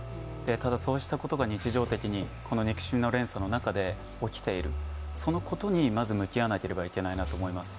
ただ、そうしたことが日常的にこの憎しみの連鎖の中で起きている、そのことにまず向き合わなければいけないなと思います。